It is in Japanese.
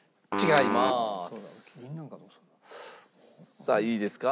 さあいいですか？